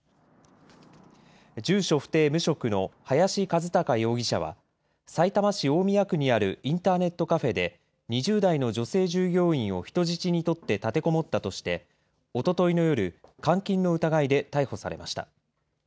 住所不定無職の林一貴容疑者は、さいたま市大宮区にあるインターネットカフェで、２０代の女性従業員を人質に取って立てこもったとして、おとといの夜、監禁の疑いで逮捕されました。